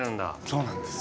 そうなんです。